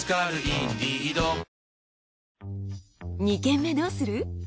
「二軒目どうする？」。